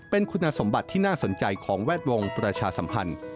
เป็นคุณสมบัติที่น่าสนใจของแวดวงประชาสัมพันธ์